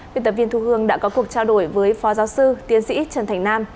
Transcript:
biên tập viên thu hương đã có cuộc trao đổi với phó giáo sư tiến sĩ trần thành nam